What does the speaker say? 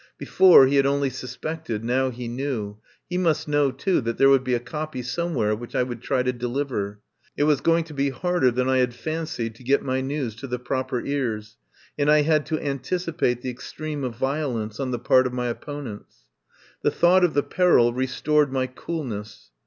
Before he had only suspected, now he knew. He must know, too, that there would be a copy some where which I would try to deliver. It was going to be harder than I had fancied to get my news to the proper ears, and I had to an ticipate the extreme of violence on the part of my opponents. The thought of the peril restored my cool ness.